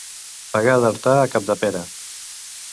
Pegar d'Artà a Capdepera.